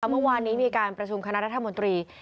เมื่อวานนี้มีการประชุมคณะรัฐมนตรี